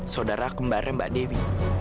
saudara kembar mbak dewi